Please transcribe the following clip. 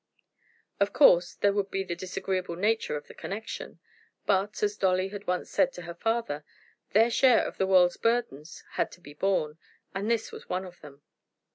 Of course there would be the disagreeable nature of the connection. But, as Dolly had once said to her father, their share of the world's burdens had to be borne, and this was one of them.